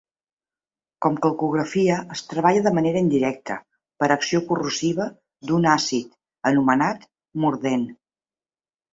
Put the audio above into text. Com calcografia, es treballa de manera indirecta, per acció corrosiva d'un àcid, anomenat mordent.